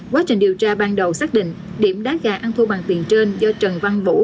quá trình điều tra ban đầu xác định điểm đá gà ăn thua bằng tiền trên do trần văn vũ